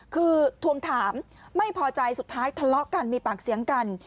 คือทวงถามไม่พอใจสุดท้ายทะเลาะกันมีปากเสียงกัน